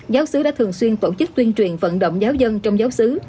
giáo sứ đã thường xuyên tổ chức tuyên truyền vận động giáo dân trong giáo sứ